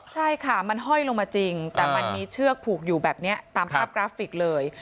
ใช่ค่ะมันห้อยลงมาจริงแต่มันมีเชือกผูกอยู่แบบนี้ตามภาพกราฟิกเลย